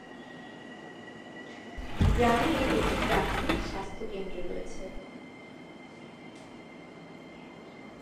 গ্রামে একটি প্রাথমিক স্বাস্থ্য কেন্দ্র রয়েছে।